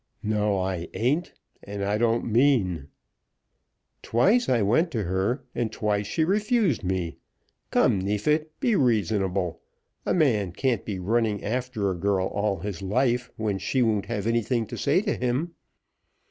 "No, I ain't; and I don't mean." "Twice I went to her, and twice she refused me. Come, Neefit, be reasonable. A man can't be running after a girl all his life, when she won't have anything to say to him.